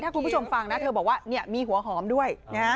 ถ้าคุณผู้ชมฟังนะเธอบอกว่ามีหัวหอมด้วยนะฮะ